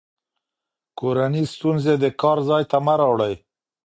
کورني ستونزې د کار ځای ته مه راوړئ.